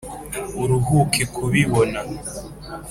uruhuke kubibona